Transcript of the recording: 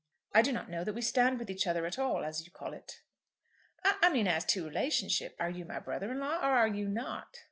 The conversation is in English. "I do not know that we stand with each other at all, as you call it." "I mean as to relationship. Are you my brother in law, or are you not?"